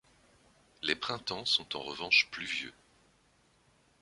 Les printemps sont en revanche pluvieux.